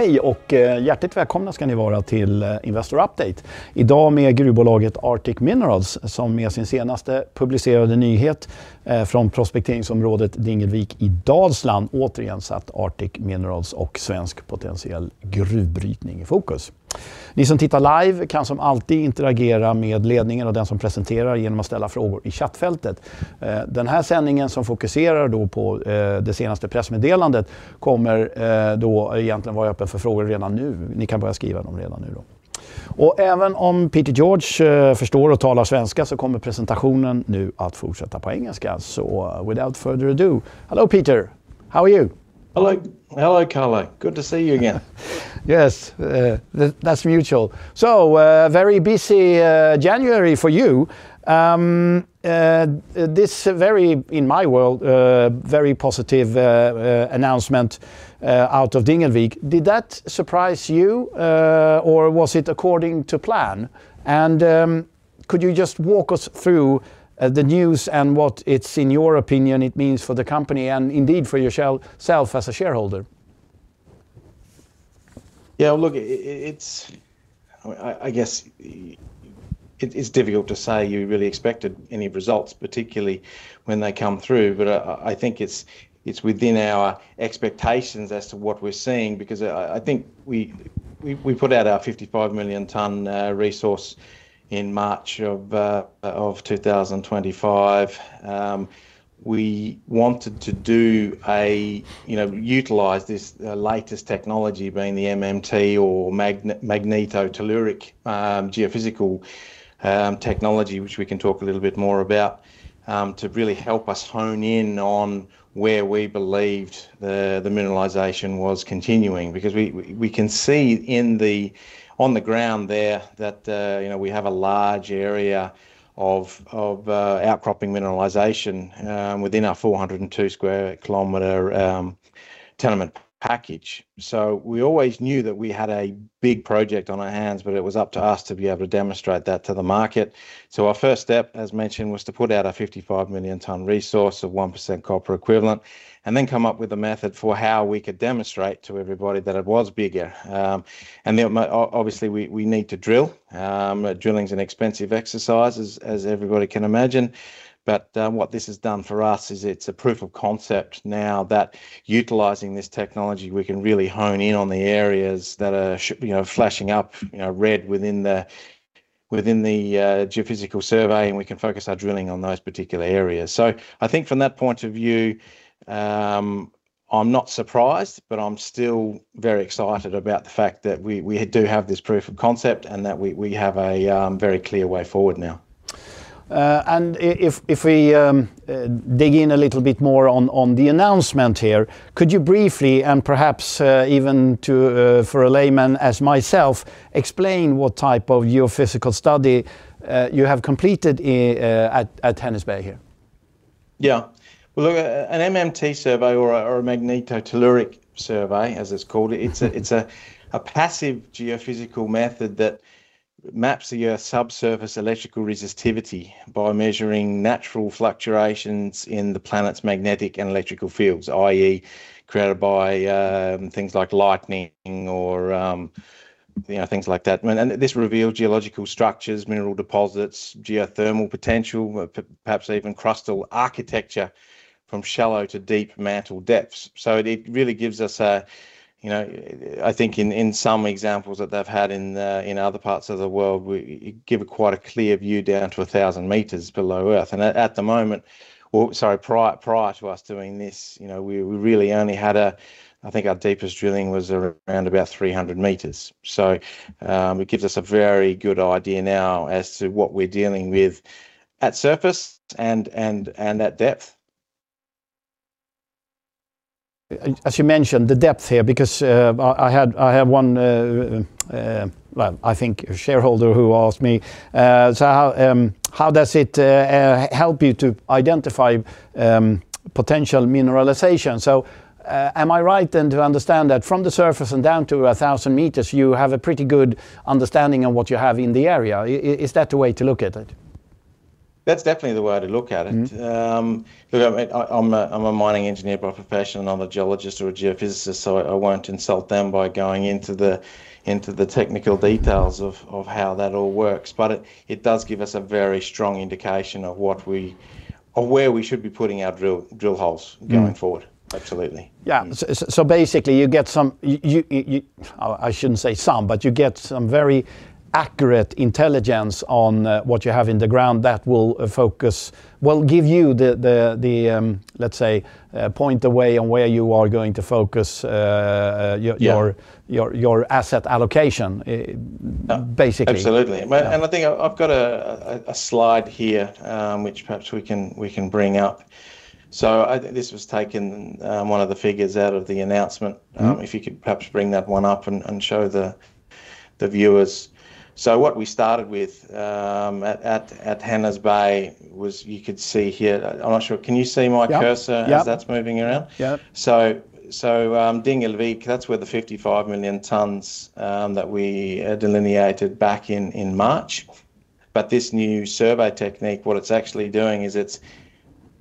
Hej och hjärtligt välkomna ska ni vara till Investor Update. Idag med gruvbolaget Arctic Minerals som med sin senaste publicerade nyhet från prospekteringsområdet Dingelvik i Dalsland återigen satt Arctic Minerals och svensk potentiell gruvbrytning i fokus. Ni som tittar live kan som alltid interagera med ledningen och den som presenterar genom att ställa frågor i chattfältet. Den här sändningen som fokuserar då på det senaste pressmeddelandet kommer då egentligen vara öppen för frågor redan nu. Ni kan börja skriva dem redan nu då. Och även om Peter George förstår och talar svenska så kommer presentationen nu att fortsätta på engelska. Så without further ado, hello Peter, how are you? Hello, hello Carlo, good to see you again. Yes, that's mutual. So, very busy January for you. This very, in my world, very positive announcement out of Dingelvik. Did that surprise you or was it according to plan? And could you just walk us through the news and what it's, in your opinion, it means for the company and indeed for yourself as a shareholder? Yeah, look, it's, I guess it's difficult to say you really expected any results, particularly when they come through. But I think it's within our expectations as to what we're seeing because I think we put out our 55 million ton resource in March of 2025. We wanted to, you know, utilize this latest technology being the MMT or magnetotelluric geophysical technology, which we can talk a little bit more about, to really help us hone in on where we believed the mineralization was continuing. Because we can see on the ground there that, you know, we have a large area of outcropping mineralization within our 402 square kilometer tenement package. So we always knew that we had a big project on our hands, but it was up to us to be able to demonstrate that to the market. Our first step, as mentioned, was to put out a 55 million ton resource of 1% copper equivalent and then come up with a method for how we could demonstrate to everybody that it was bigger. And obviously we need to drill. Drilling is an expensive exercise, as everybody can imagine. But what this has done for us is it's a proof of concept now that utilizing this technology, we can really hone in on the areas that are flashing up red within the geophysical survey and we can focus our drilling on those particular areas. So I think from that point of view, I'm not surprised, but I'm still very excited about the fact that we do have this proof of concept and that we have a very clear way forward now. If we dig in a little bit more on the announcement here, could you briefly and perhaps even for a layman as myself, explain what type of geophysical study you have completed at Hännesberget here? Yeah, well, look, an MMT survey or a magnetotelluric survey, as it's called, it's a passive geophysical method that maps the Earth's subsurface electrical resistivity by measuring natural fluctuations in the planet's magnetic and electrical fields, i.e., created by things like lightning or things like that. And this reveals geological structures, mineral deposits, geothermal potential, perhaps even crustal architecture from shallow to deep mantle depths. So it really gives us, you know, I think in some examples that they've had in other parts of the world, we give quite a clear view down to 1000 meters below Earth. And at the moment, or sorry, prior to us doing this, you know, we really only had a, I think our deepest drilling was around about 300 meters. So it gives us a very good idea now as to what we're dealing with at surface and at depth. As you mentioned, the depth here, because I have one, I think, shareholder who asked me, so how does it help you to identify potential mineralization? So am I right then to understand that from the surface and down to 1000 meters, you have a pretty good understanding of what you have in the area? Is that the way to look at it? That's definitely the way to look at it. Look, I'm a mining engineer by profession, and I'm a geologist or a geophysicist, so I won't insult them by going into the technical details of how that all works. But it does give us a very strong indication of where we should be putting our drill holes going forward. Absolutely. Yeah. So basically you get some, I shouldn't say some, but you get some very accurate intelligence on what you have in the ground that will focus, will give you the, let's say, point the way on where you are going to focus your asset allocation, basically. Absolutely, and I think I've got a slide here, which perhaps we can bring up, so this was taken one of the figures out of the announcement. If you could perhaps bring that one up and show the viewers, so what we started with at Hännesberget was you could see here, I'm not sure, can you see my cursor as that's moving around? Yeah. Dingelvik, that's where the 55 million tons that we delineated back in March. But this new survey technique, what it's actually doing is it's,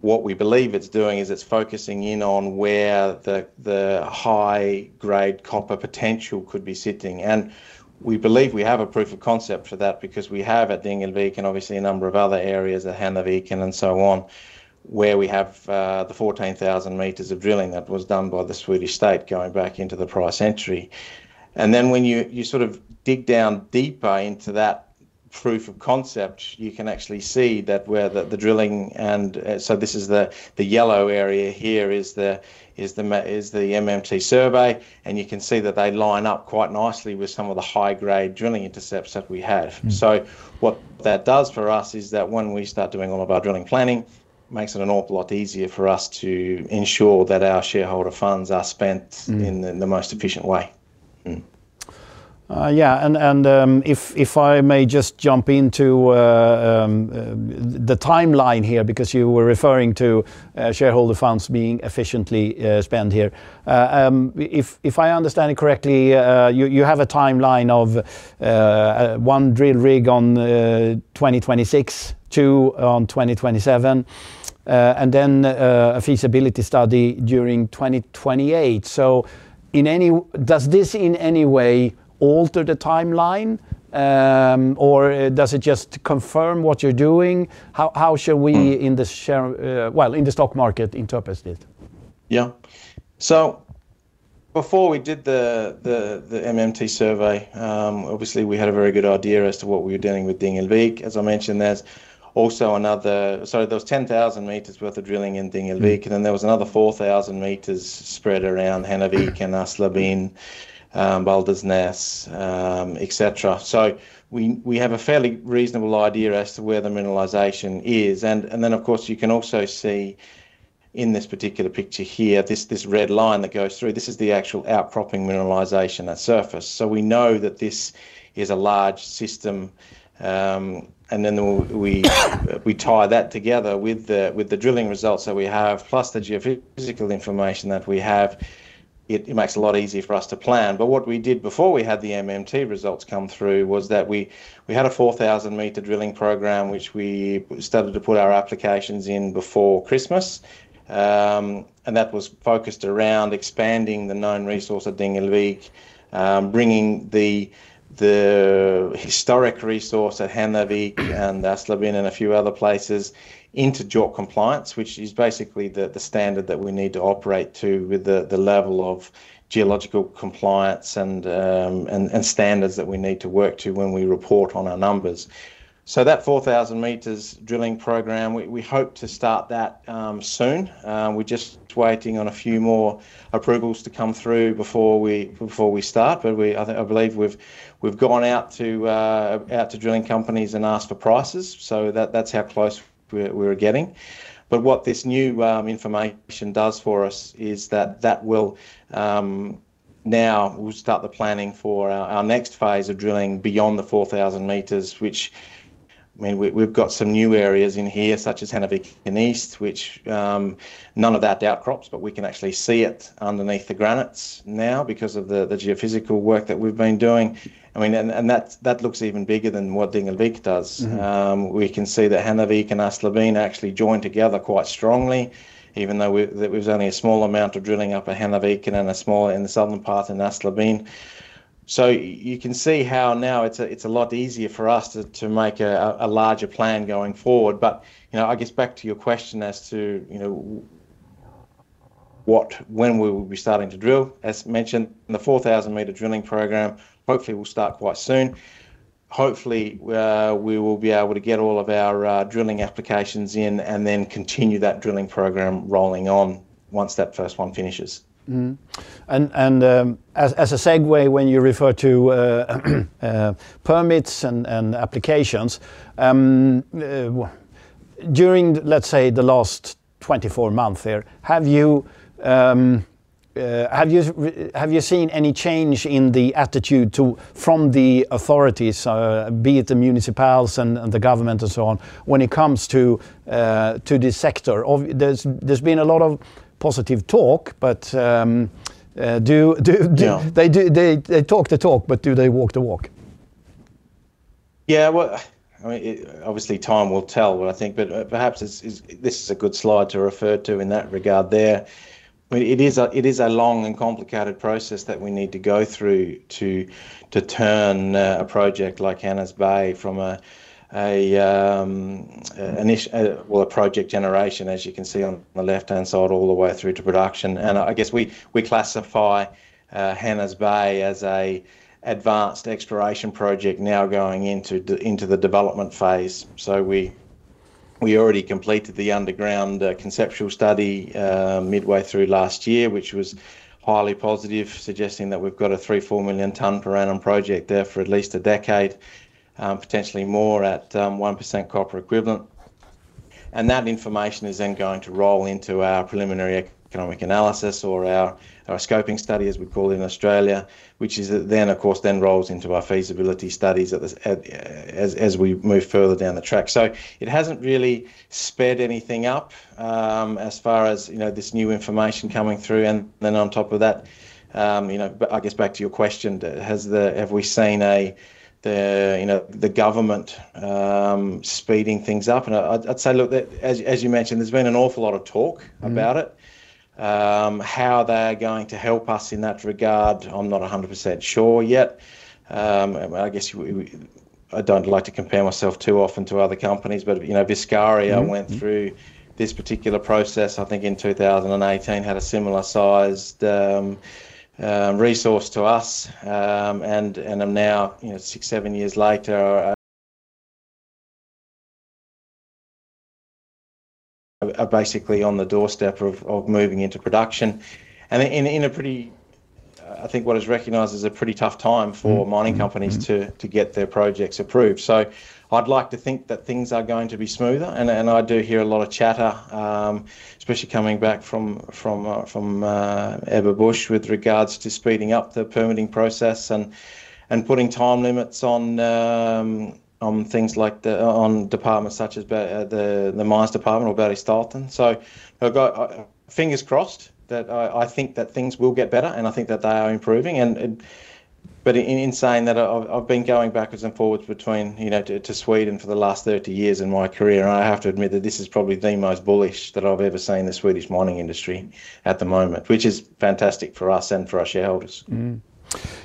what we believe it's doing is it's focusing in on where the high-grade copper potential could be sitting. And we believe we have a proof of concept for that because we have at Dingelvik and obviously a number of other areas at Hännesberget and so on, where we have the 14,000 meters of drilling that was done by the Swedish state going back into the fifties. And then when you sort of dig down deeper into that proof of concept, you can actually see that where the drilling, and so this is the yellow area here is the MMT survey, and you can see that they line up quite nicely with some of the high-grade drilling intercepts that we have. So what that does for us is that when we start doing all of our drilling planning, it makes it an awful lot easier for us to ensure that our shareholder funds are spent in the most efficient way. Yeah. And if I may just jump into the timeline here, because you were referring to shareholder funds being efficiently spent here. If I understand it correctly, you have a timeline of one drill rig on 2026, two on 2027, and then a feasibility study during 2028. So does this in any way alter the timeline or does it just confirm what you're doing? How should we in the share, well, in the stock market interpret this? Yeah, so before we did the MMT survey, obviously we had a very good idea as to what we were dealing with Dingelvik. As I mentioned, there's also another, sorry, there was 10,000 meters worth of drilling in Dingelvik, and then there was another 4,000 meters spread around Hennes Bay and Åslebyn and Baldersnäs, etc. So we have a fairly reasonable idea as to where the mineralization is. And then of course you can also see in this particular picture here, this red line that goes through, this is the actual outcropping mineralization at surface. So we know that this is a large system. And then we tie that together with the drilling results that we have, plus the geophysical information that we have. It makes a lot easier for us to plan. But what we did before we had the MMT results come through was that we had a 4,000-meter drilling program, which we started to put our applications in before Christmas. And that was focused around expanding the known resource at Dingelvik, bringing the historic resource at Hännesberget and Åslebyn and a few other places into JORC compliance, which is basically the standard that we need to operate to with the level of geological compliance and standards that we need to work to when we report on our numbers. So that 4,000 meters drilling program, we hope to start that soon. We're just waiting on a few more approvals to come through before we start. But I believe we've gone out to drilling companies and asked for prices. So that's how close we're getting. What this new information does for us is that will now start the planning for our next phase of drilling beyond the 4,000 meters, which I mean, we've got some new areas in here, such as Hennervik and East, which none of that outcrops, but we can actually see it underneath the granites now because of the geophysical work that we've been doing. I mean, and that looks even bigger than what Dingelvik does. We can see that Hennervik and Åslebyn actually join together quite strongly, even though there was only a small amount of drilling up at Hennervik and a smaller in the southern part in Åslebyn. You can see how now it's a lot easier for us to make a larger plan going forward. But I guess back to your question as to when we will be starting to drill. As mentioned, the 4,000-meter drilling program—hopefully we'll start quite soon. Hopefully we will be able to get all of our drilling applications in and then continue that drilling program rolling on once that first one finishes. As a segue, when you refer to permits and applications during, let's say, the last 24 months here, have you seen any change in the attitude from the authorities, be it the municipals and the government and so on, when it comes to this sector? There's been a lot of positive talk, but do they talk the talk, but do they walk the walk? Yeah, well, I mean, obviously time will tell, but I think, but perhaps this is a good slide to refer to in that regard there. I mean, it is a long and complicated process that we need to go through to turn a project like Hännesberget from a, well, a project generation, as you can see on the left-hand side, all the way through to production. And I guess we classify Hännesberget as an advanced exploration project now going into the development phase. So we already completed the underground conceptual study midway through last year, which was highly positive, suggesting that we've got a 3-4 million ton per annum project there for at least a decade, potentially more at 1% copper equivalent. And that information is then going to roll into our preliminary economic analysis or our scoping study, as we call it in Australia, which is then, of course, then rolls into our feasibility studies as we move further down the track. So it hasn't really sped anything up as far as this new information coming through. And then on top of that, I guess back to your question, have we seen the government speeding things up? And I'd say, look, as you mentioned, there's been an awful lot of talk about it. How they're going to help us in that regard, I'm not 100% sure yet. I guess I don't like to compare myself too often to other companies, but Viscaria went through this particular process, I think in 2018, had a similar sized resource to us. And now, six, seven years later, are basically on the doorstep of moving into production. And in a pretty, I think what is recognized as a pretty tough time for mining companies to get their projects approved. So I'd like to think that things are going to be smoother. And I do hear a lot of chatter, especially coming back from Ebba Busch with regards to speeding up the permitting process and putting time limits on things like the department such as the Mines Department or Bergsstaten. So fingers crossed that I think that things will get better and I think that they are improving. But in saying that, I've been going backwards and forwards to Sweden for the last 30 years in my career. I have to admit that this is probably the most bullish that I've ever seen in the Swedish mining industry at the moment, which is fantastic for us and for our shareholders.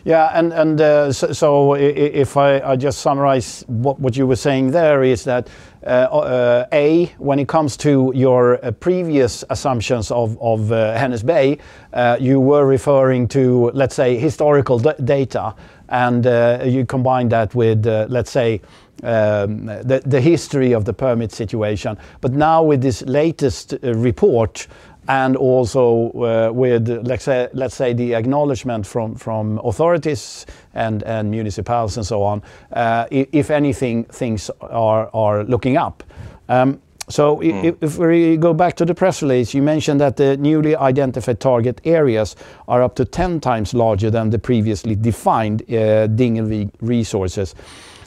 Yeah. And so if I just summarize what you were saying there is that, A, when it comes to your previous assumptions of Hännesberget, you were referring to, let's say, historical data and you combined that with, let's say, the history of the permit situation. But now with this latest report and also with, let's say, the acknowledgement from authorities and municipalities and so on, if anything, things are looking up. So if we go back to the press release, you mentioned that the newly identified target areas are up to 10 times larger than the previously defined Dingelvik resources.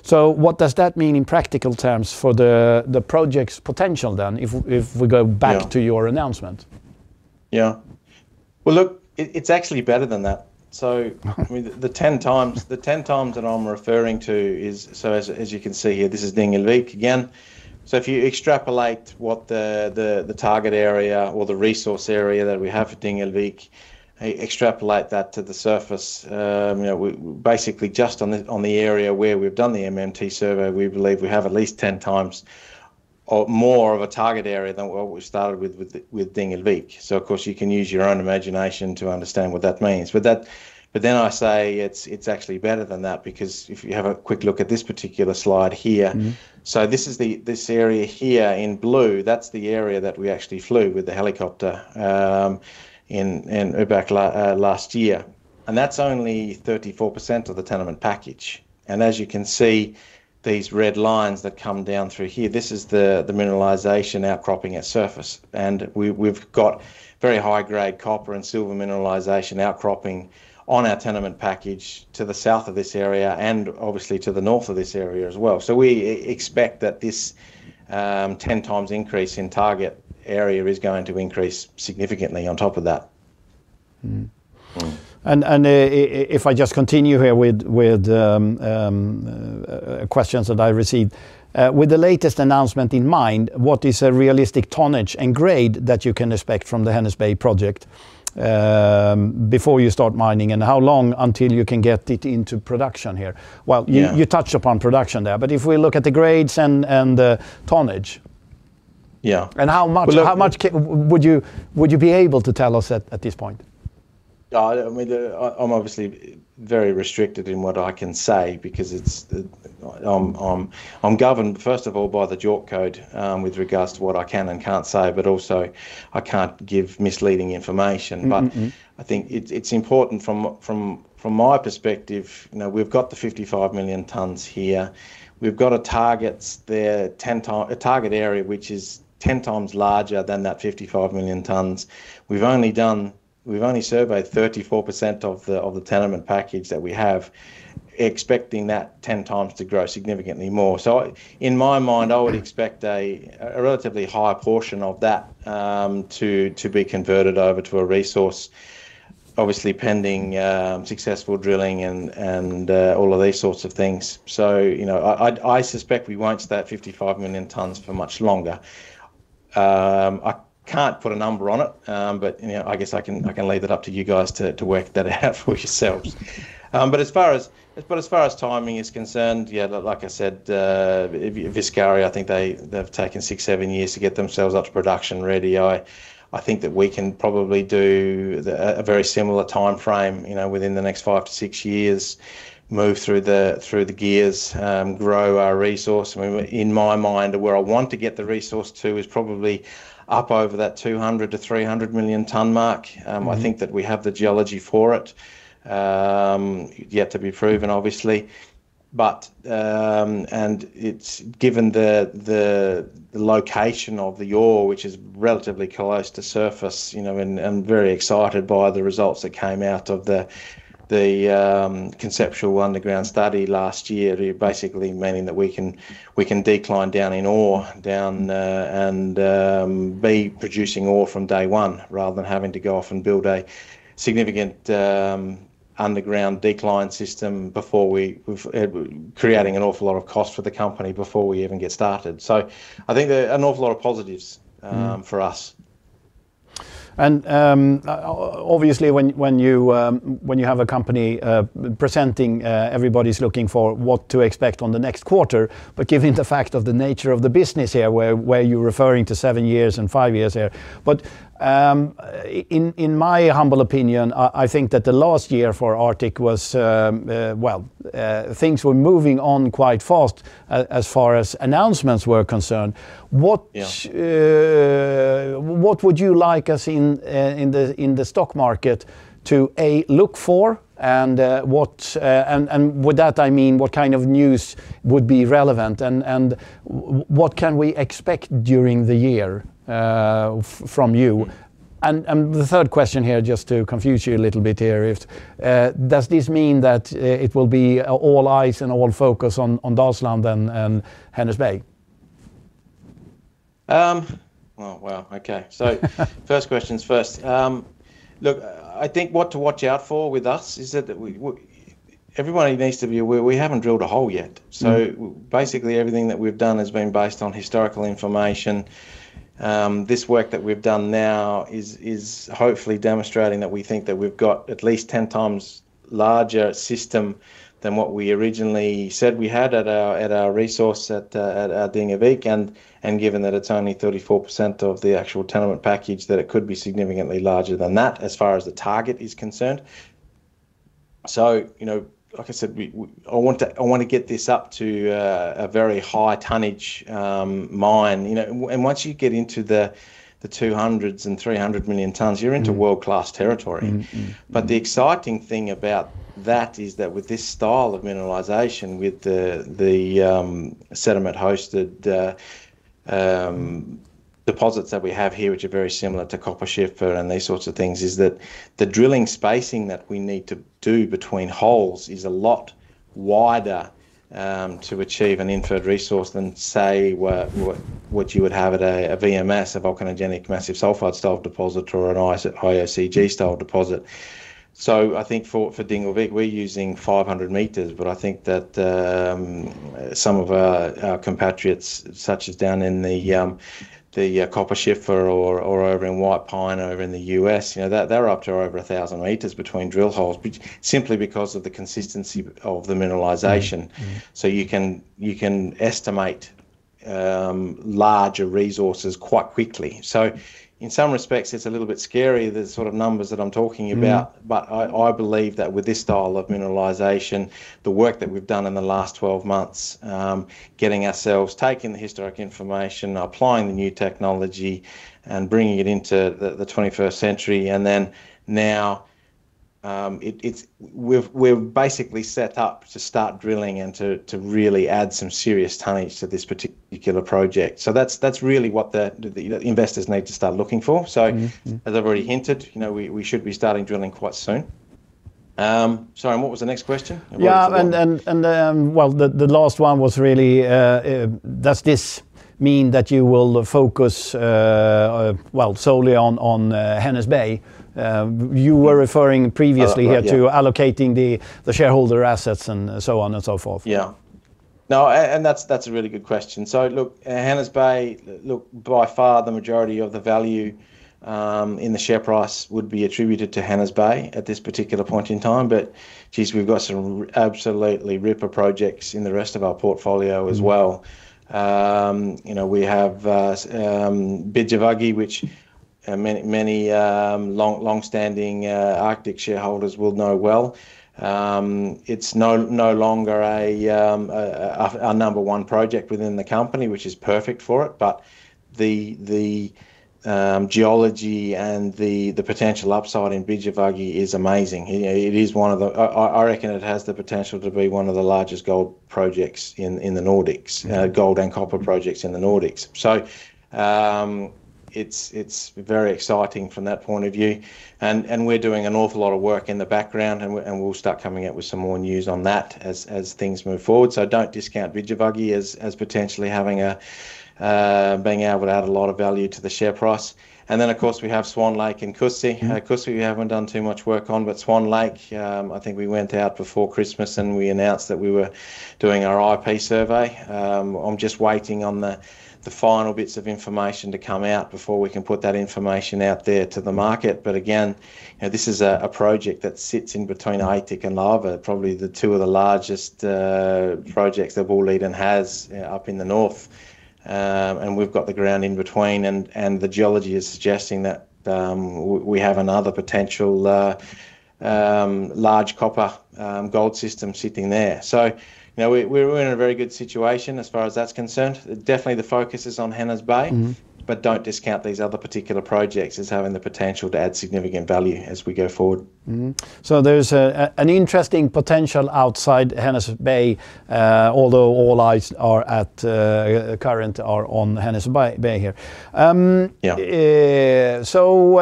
So what does that mean in practical terms for the project's potential then if we go back to your announcement? Yeah. Well, look, it's actually better than that. So the 10 times that I'm referring to is, so as you can see here, this is Dingelvik again. So if you extrapolate what the target area or the resource area that we have for Dingelvik, extrapolate that to the surface, basically just on the area where we've done the MMT survey, we believe we have at least 10 times more of a target area than what we started with Dingelvik. So of course, you can use your own imagination to understand what that means. But then I say it's actually better than that because if you have a quick look at this particular slide here, so this area here in blue, that's the area that we actually flew with the helicopter in Ubeck last year. And that's only 34% of the tenement package. And as you can see, these red lines that come down through here, this is the mineralization outcropping at surface. And we've got very high-grade copper and silver mineralization outcropping on our tenement package to the south of this area and obviously to the north of this area as well. So we expect that this 10 times increase in target area is going to increase significantly on top of that. If I just continue here with questions that I received, with the latest announcement in mind, what is a realistic tonnage and grade that you can expect from the Henners Bay project before you start mining and how long until you can get it into production here? You touched upon production there, but if we look at the grades and the tonnage. Yeah. How much would you be able to tell us at this point? I mean, I'm obviously very restricted in what I can say because I'm governed, first of all, by the JORC code with regards to what I can and can't say, but also I can't give misleading information. But I think it's important from my perspective. We've got the 55 million tons here. We've got a target area, which is 10 times larger than that 55 million tons. We've only surveyed 34% of the tenement package that we have, expecting that 10 times to grow significantly more. So in my mind, I would expect a relatively high portion of that to be converted over to a resource, obviously pending successful drilling and all of these sorts of things. So I suspect we won't start 55 million tons for much longer. I can't put a number on it, but I guess I can leave that up to you guys to work that out for yourselves. But as far as timing is concerned, yeah, like I said, Viscaria, I think they've taken six, seven years to get themselves up to production ready. I think that we can probably do a very similar timeframe within the next five to six years, move through the gears, grow our resource. In my mind, where I want to get the resource to is probably up over that 200 to 300 million ton mark. I think that we have the geology for it. Yet to be proven, obviously. Given the location of the ore, which is relatively close to surface, I'm very excited by the results that came out of the conceptual underground study last year, basically meaning that we can decline down in ore and be producing ore from day one rather than having to go off and build a significant underground decline system before we're creating an awful lot of cost for the company before we even get started. I think there are an awful lot of positives for us. And obviously, when you have a company presenting, everybody's looking for what to expect on the next quarter, but given the fact of the nature of the business here, where you're referring to seven years and five years here. But in my humble opinion, I think that the last year for Arctic was, well, things were moving on quite fast as far as announcements were concerned. What would you like us in the stock market to, A, look for? And with that, I mean, what kind of news would be relevant? And what can we expect during the year from you? And the third question here, just to confuse you a little bit here, does this mean that it will be all eyes and all focus on Dalsland and Hännesberget? Well, okay, so first questions first. Look, I think what to watch out for with us is that everybody needs to be aware, we haven't drilled a hole yet, so basically everything that we've done has been based on historical information. This work that we've done now is hopefully demonstrating that we think that we've got at least 10 times larger system than what we originally said we had at our resource at Dingelvik, and given that it's only 34% of the actual tenement package, that it could be significantly larger than that as far as the target is concerned, so like I said, I want to get this up to a very high tonnage mine, and once you get into the 200 and 300 million tons, you're into world-class territory. But the exciting thing about that is that with this style of mineralization, with the sediment-hosted deposits that we have here, which are very similar to Kupferschiefer and these sorts of things, is that the drilling spacing that we need to do between holes is a lot wider to achieve an inferred resource than, say, what you would have at a VMS, a volcanogenic massive sulfide style deposit, or an IOCG style deposit. So I think for Dingelvik, we're using 500 meters, but I think that some of our compatriots, such as down in the Kupferschiefer or over in White Pine over in the U.S., they're up to over 1,000 meters between drill holes, simply because of the consistency of the mineralization. So you can estimate larger resources quite quickly. So in some respects, it's a little bit scary, the sort of numbers that I'm talking about. But I believe that with this style of mineralization, the work that we've done in the last 12 months, getting ourselves taking the historic information, applying the new technology, and bringing it into the 21st century, and then now we're basically set up to start drilling and to really add some serious tonnage to this particular project. So that's really what the investors need to start looking for. So as I've already hinted, we should be starting drilling quite soon. Sorry, what was the next question? Yeah. And well, the last one was really, "Does this mean that you will focus, well, solely on Hännesberget?" You were referring previously here to allocating the shareholder assets and so on and so forth. Yeah. No, and that's a really good question. So look, Hännesberget, look, by far the majority of the value in the share price would be attributed to Hännesberget at this particular point in time. But geez, we've got some absolutely ripper projects in the rest of our portfolio as well. We have Bidjovagge, which many long-standing Arctic shareholders will know well. It's no longer our number one project within the company, which is perfect for it. But the geology and the potential upside in Bidjovagge is amazing. It is one of the, I reckon it has the potential to be one of the largest gold projects in the Nordics, gold and copper projects in the Nordics. So it's very exciting from that point of view. And we're doing an awful lot of work in the background, and we'll start coming out with some more news on that as things move forward. So don't discount Bidjovagge as potentially being able to add a lot of value to the share price. And then, of course, we have Swan Lake and Kuusi. Kuusi we haven't done too much work on, but Swan Lake, I think we went out before Christmas and we announced that we were doing our IP survey. I'm just waiting on the final bits of information to come out before we can put that information out there to the market. But again, this is a project that sits in between Aitik and Laver, probably the two of the largest projects that Boliden has up in the north. We've got the ground in between, and the geology is suggesting that we have another potential large copper gold system sitting there. We're in a very good situation as far as that's concerned. Definitely the focus is on Hännesberget, but don't discount these other particular projects as having the potential to add significant value as we go forward. There's an interesting potential outside Henners Bay, although all eyes are currently on Henners Bay here.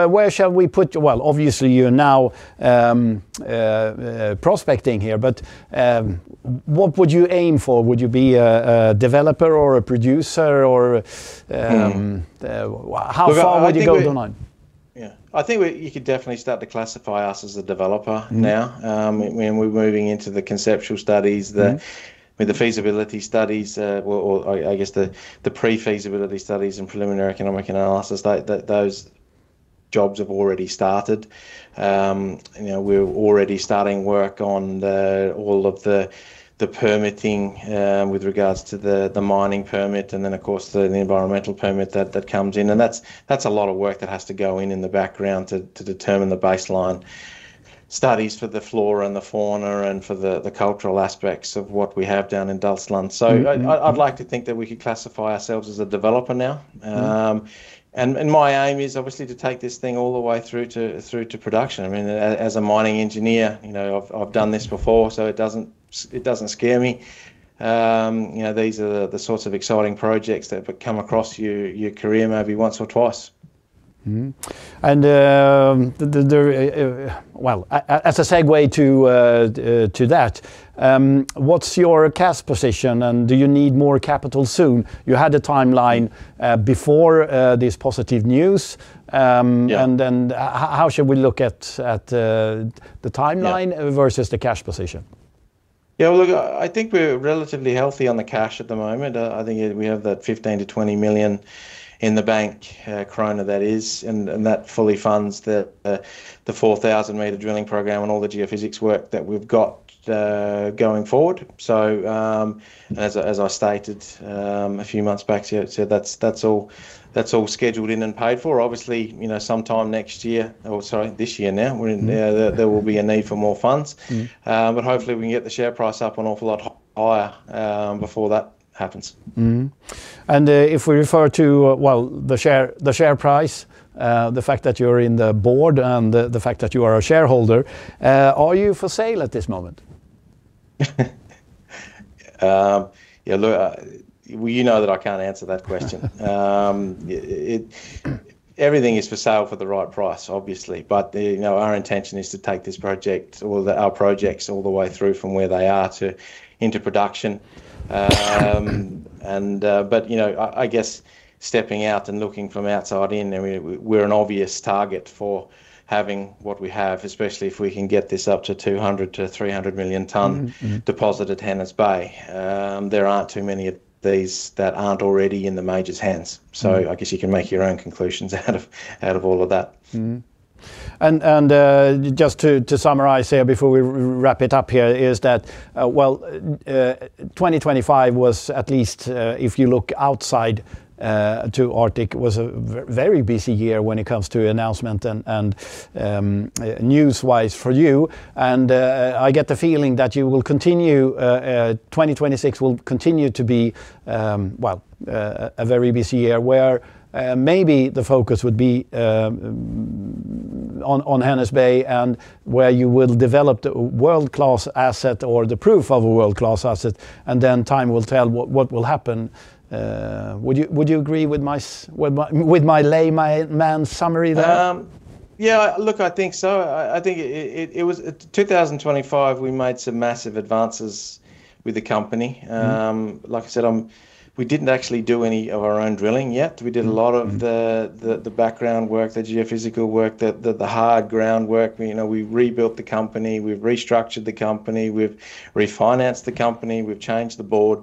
Where shall we put you? Obviously you're now prospecting here, but what would you aim for? Would you be a developer or a producer? How far would you go down the line? Yeah. I think you could definitely start to classify us as a developer now. We're moving into the conceptual studies, the feasibility studies, or I guess the pre-feasibility studies and preliminary economic analysis. Those jobs have already started. We're already starting work on all of the permitting with regards to the mining permit and then, of course, the environmental permit that comes in. And that's a lot of work that has to go in in the background to determine the baseline studies for the flora and the fauna and for the cultural aspects of what we have down in Dalsland. So I'd like to think that we could classify ourselves as a developer now. And my aim is obviously to take this thing all the way through to production. I mean, as a mining engineer, I've done this before, so it doesn't scare me. These are the sorts of exciting projects that come across your career maybe once or twice. And well, as a segue to that, what's your cash position and do you need more capital soon? You had a timeline before this positive news. And then how should we look at the timeline versus the cash position? Yeah, look, I think we're relatively healthy on the cash at the moment. I think we have 15-20 million in the bank, kroner that is, and that fully funds the 4,000-meter drilling program and all the geophysics work that we've got going forward. So as I stated a few months back, that's all scheduled in and paid for. Obviously, sometime next year, or sorry, this year now, there will be a need for more funds. But hopefully we can get the share price up an awful lot higher before that happens. And if we refer to, well, the share price, the fact that you're in the board and the fact that you are a shareholder, are you for sale at this moment? Yeah, look, you know that I can't answer that question. Everything is for sale for the right price, obviously. But our intention is to take this project, all our projects, all the way through from where they are to into production. But I guess stepping out and looking from outside in, we're an obvious target for having what we have, especially if we can get this up to 200-300 million ton deposit at Hännesberget. There aren't too many of these that aren't already in the major's hands. So I guess you can make your own conclusions out of all of that. And just to summarize here before we wrap it up here, is that, well, 2025 was at least, if you look outside to Arctic, was a very busy year when it comes to announcement and news-wise for you. And I get the feeling that you will continue, 2026 will continue to be, well, a very busy year where maybe the focus would be on Hennes Bay and where you will develop the world-class asset or the proof of a world-class asset. And then time will tell what will happen. Would you agree with my layman's summary there? Yeah, look, I think so. I think it was 2025, we made some massive advances with the company. Like I said, we didn't actually do any of our own drilling yet. We did a lot of the background work, the geophysical work, the hard groundwork. We rebuilt the company. We've restructured the company. We've refinanced the company. We've changed the board,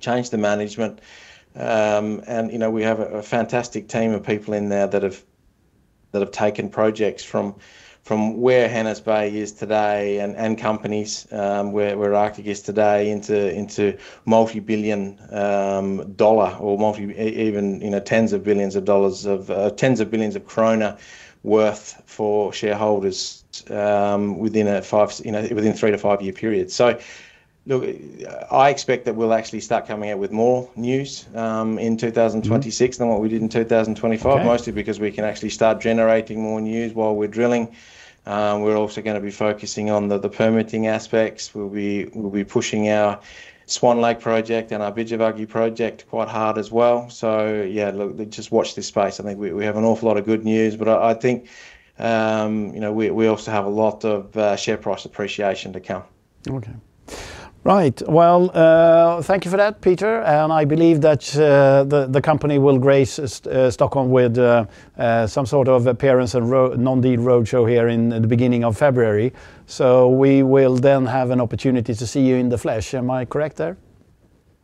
changed the management, and we have a fantastic team of people in there that have taken projects from where Hännesberget is today and companies where Arctic is today into multi-billion-dollar or even tens of billions of dollars, tens of billions of kroner worth for shareholders within a three- to five-year period. So look, I expect that we'll actually start coming out with more news in 2026 than what we did in 2025, mostly because we can actually start generating more news while we're drilling. We're also going to be focusing on the permitting aspects. We'll be pushing our Swan Lake Project and our Bidjovagge Project quite hard as well. So yeah, look, just watch this space. I think we have an awful lot of good news, but I think we also have a lot of share price appreciation to come. Well, thank you for that, Peter. And I believe that the company will grace Stockholm with some sort of appearance and non-deal roadshow here in the beginning of February. So we will then have an opportunity to see you in the flesh. Am I correct there?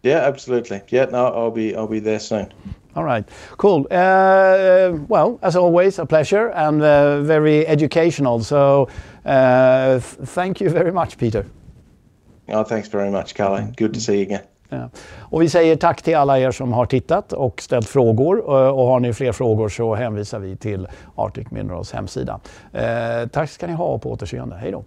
Yeah, absolutely. Yeah, no, I'll be there soon. All right. Cool. As always, a pleasure and very educational. So thank you very much, Peter. Oh, thanks very much, Carlo. Good to see you again. We say tack till alla som har tittat och ställt frågor. Och har ni fler frågor så hänvisar vi till Arctic Minerals hemsida. Tack ska ni ha och på återseende. Hej då.